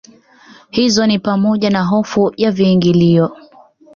hizo ni pamoja na hofu ya viingilio